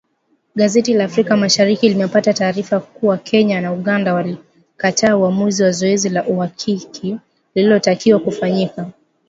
Gazeti la Africa Mashariki limepata taarifa kuwa Kenya na Uganda walikataa uamuzi wa zoezi la uhakiki lililotakiwa kufanyika